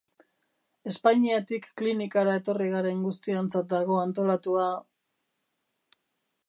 Espainiatik klinikara etorri garen guztiontzat dago antolatua...